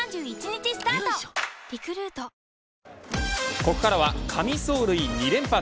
ここからは神走塁、２連発。